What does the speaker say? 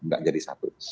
tidak jadi satu